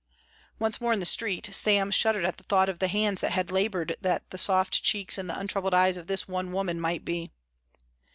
Once more in the street, Sam shuddered at the thought of the hands that had laboured that the soft cheeks and the untroubled eyes of this one woman might be.